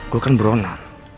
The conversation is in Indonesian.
gue kan beronan